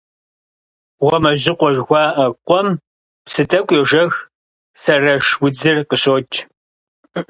«Гъуамэжьыкъуэ» жыхуаӀэ къуэм псы тӀэкӀу йожэх, сэрэш удзыр къыщокӀ.